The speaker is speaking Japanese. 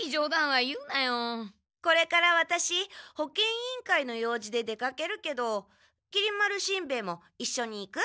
これからワタシ保健委員会の用事で出かけるけどきり丸しんべヱもいっしょに行く？